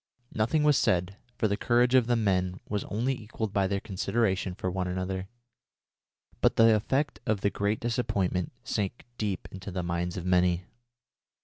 Nothing was said, for the courage of the men was only equalled by their consideration for one another, but the effect of the great disappointment sank deep into the minds of many.